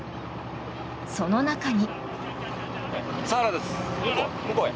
その中に。